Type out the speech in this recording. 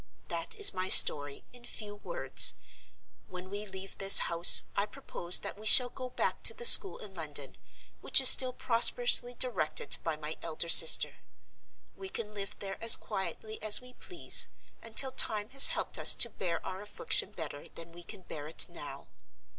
That is my story, in few words. When we leave this house, I propose that we shall go back to the school in London, which is still prosperously directed by my elder sister. We can live there as quietly as we please, until time has helped us to bear our affliction better than we can bear it now.